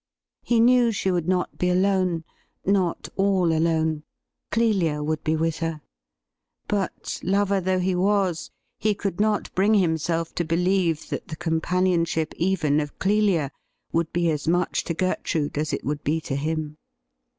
He knew she would not be alone — not all alone. Clelia would be with her. But, lover though he was, he could not bring himself to believe that the companionship even of Clelia would be as much to Gertrude as it would be to him.